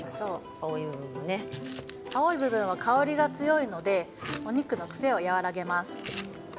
青い部分は香りが強いのでお肉の癖を和らげます。